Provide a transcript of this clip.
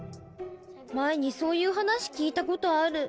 前にそういうはなし聞いたことある。